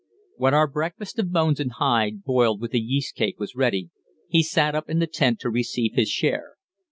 When our breakfast of bones and hide boiled with a yeast cake was ready, he sat up in the tent to receive his share.